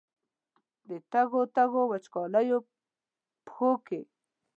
د تږو، تږو، وچکالیو پښو کې